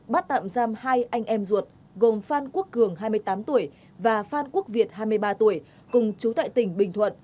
bắt tạm giam hai anh em ruột gồm phan quốc cường hai mươi tám tuổi và phan quốc việt hai mươi ba tuổi cùng chú tại tỉnh bình thuận